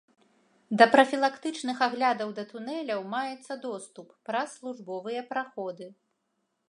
Для прафілактычных аглядаў да тунэляў маецца доступ праз службовыя праходы.